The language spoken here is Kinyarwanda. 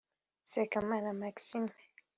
Sekamana Maxime